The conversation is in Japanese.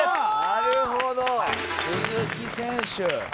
なるほど鈴木選手。